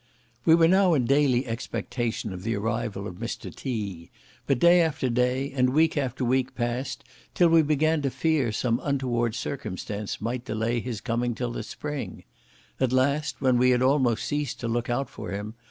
We were now in daily expectation of the arrival of Mr. T.; but day after day, and week after week passed by till we began to fear some untoward circumstance might delay his coming till the Spring; at last, when we had almost ceased to look out for him.